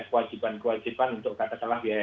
kewajiban kewajiban untuk katakanlah biaya